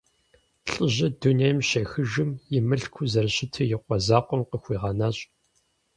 Лӏыжьыр дунейм щехыжым, и мылъкур зэрыщыту и къуэ закъуэм къыхуигъэнащ.